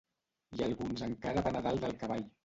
I alguns encara van a dalt del cavall.